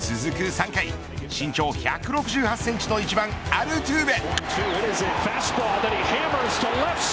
３回身長１６８センチの１番アルテューベ。